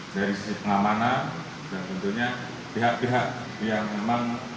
dari sisi pengamanan dan tentunya pihak pihak yang memang